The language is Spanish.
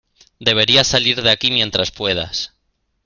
Deberías salir de aquí mientras puedas.